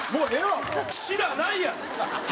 「知らない」やん！